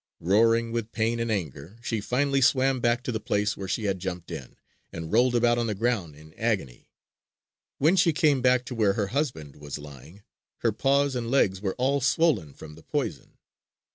Roaring with pain and anger, she finally swam back to the place where she had jumped in, and rolled about on the ground in agony. When she came back to where her husband was lying, her paws and legs were all swollen from the poison.